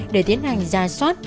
để tiến hành ra soát